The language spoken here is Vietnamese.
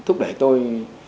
đã thúc đẩy tôi